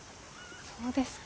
そうですか。